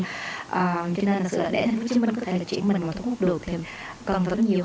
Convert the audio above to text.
cho nên là sự lợi để thành phố hồ chí minh có thể truyền mình một thu hút được thì cần tốn nhiều hơn